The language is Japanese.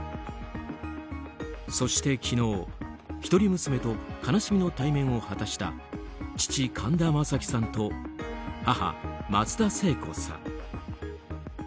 そして昨日、一人娘と悲しみの対面を果たした父・神田正輝さんと母・松田聖子さん。